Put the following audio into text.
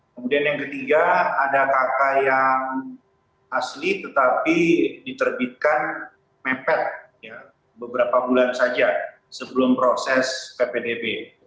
kemudian yang ketiga ada kk yang asli tetapi diterbitkan mepet beberapa bulan saja sebelum proses ppdb